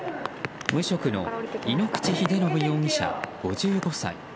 無職の井ノ口秀信容疑者、５５歳。